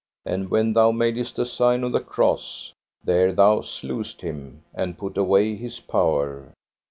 And when thou madest a sign of the cross, there thou slewest him, and put away his power.